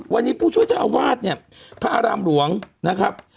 วันนี้ผู้ช่วยเจ้าอาวาสเนี่ยพระอารามหลวงนะครับ